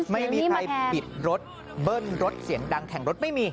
ไม่มีใครบิดรถเบิ้ลรถเสียงดังแข่งรถไม่มี